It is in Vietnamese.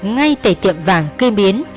ngay tại tiệm vàng cây biến